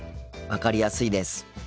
分かりやすいです。